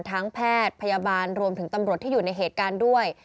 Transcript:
แพทย์พยาบาลรวมถึงตำรวจที่อยู่ในเหตุการณ์ด้วย